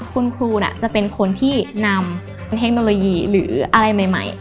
คุณครูจะเป็นคนที่นำเทคโนโลยีหรืออะไรใหม่